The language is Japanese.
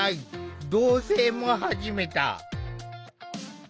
同せいも始めた。